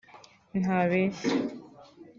Ntabeshya